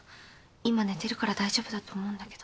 今寝てるから大丈夫だと思うんだけど。